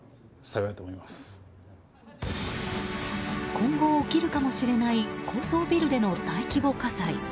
今後起きるかもしれない高層ビルでの大規模火災。